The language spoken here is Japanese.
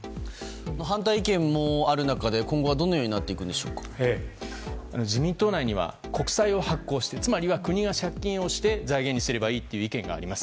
反対意見もある中で、今後はどのように自民党には、国債を発行つまりは国が借金をして財源にすればいいという意見があります。